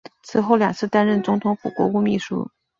此后两次担任总统府国务秘书。